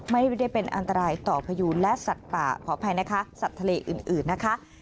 ไม่ได้เป็นอันตรายต่อพยูนและสัตว์ป่าขออภัยนะคะสัตว์ทะเลอื่นนะคะ